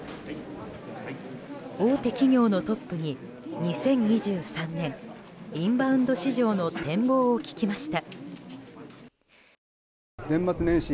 大手企業のトップに２０２３年、インバウンド市場の展望を聞きました。